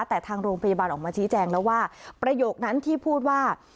แต่ทางโรงพยาบาลออกมาชี้แจงแล้วว่าประโยคนั้นที่พูดว่า